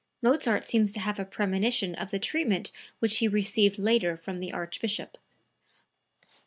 Mozart seems to have a premonition of the treatment which he received later from the Archbishop.)